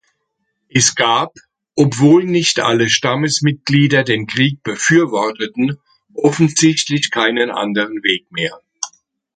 Es gab, obwohl nicht alle Stammesmitglieder den Krieg befürworteten, offensichtlich keinen anderen Weg mehr.